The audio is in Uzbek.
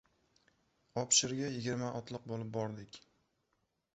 Obshirga yigirma otliq bo‘lib bordik.